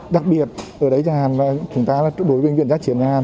đặc biệt ở đây nhà hàng đối với bệnh viện giá chiến nhà hàng